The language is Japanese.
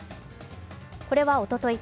これはおととい